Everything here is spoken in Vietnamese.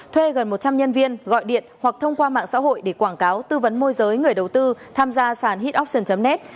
thuê gần một trăm linh nhân viên gọi điện hoặc thông qua mạng xã hội để quảng cáo tư vấn môi giới người đầu tư tham gia sàn hetokion net